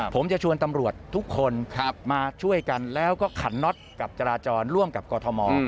ผมจะชวนตำรวจทุกคนมาช่วยกันแล้วก็ขันน็อตกับจราจรร่วมกับกรทม